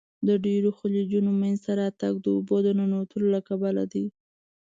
د ډیرو خلیجونو منځته راتګ د اوبو ننوتلو له کبله دی.